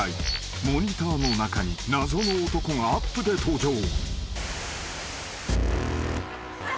［モニターの中に謎の男がアップで登場］